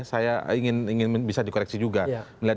saya ingin bisa dikoreksi juga